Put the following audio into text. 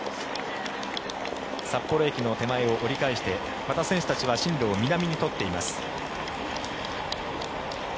札幌駅の手前を折り返して選手たちは進路を南に取っています。